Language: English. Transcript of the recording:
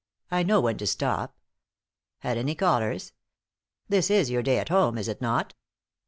I know when to stop. Had any callers? This is your day at home, is it not?"